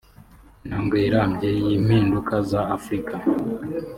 intambwe irambye y’impinduka za Afurika